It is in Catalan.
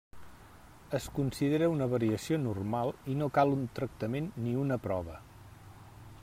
Es considera una variació normal i no cal un tractament ni una prova.